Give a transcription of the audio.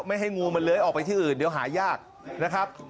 ไม่ให้งูลื้อเคลื้อออกไปอื่นเดี๋ยวหายากนะครับ